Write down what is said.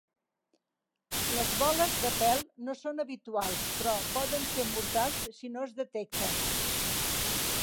Les boles de pèl no són habituals, però poden ser mortals si no es detecten.